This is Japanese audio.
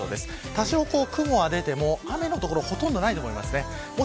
多少、雲は出ても雨の所はほとんどないと思います。